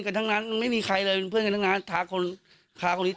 ก่อนทั้งนั้นไม่มีใครเลยเพื่อนทั้งนั้นท้าคนท้านี้